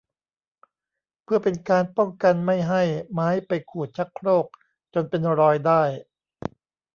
เพื่อเป็นการป้องกันไม่ให้ไม้ไปขูดชักโครกจนเป็นรอยได้